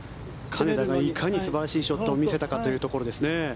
金田がいかに素晴らしいショットを見せたかというところですね。